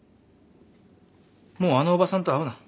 もうあのおばさんと会うな。